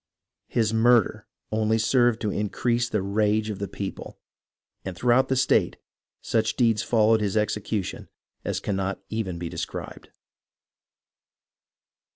His murder only served to increase the rage of the people, and throughout the state such deeds followed his execution as cannot even be described.